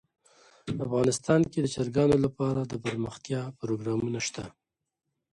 افغانستان کې د چرګانو لپاره دپرمختیا پروګرامونه شته.